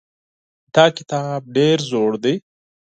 دا کتاب ډېر زوړ دی.